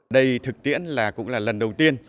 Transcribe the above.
đây thực tiễn là cũng là lần đầu tiên